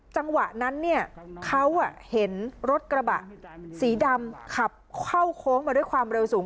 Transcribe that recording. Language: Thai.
จังหวะนั้นเนี่ยเขาเห็นรถกระบะสีดำขับเข้าโค้งมาด้วยความเร็วสูง